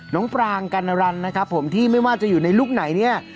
น้องปลางกัณฑรรณนะครับผมที่ไม่ว่าจะอยู่ในลูกไหนเนี๊ย๊ะ